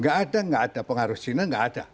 gak ada gak ada pengaruh jina gak ada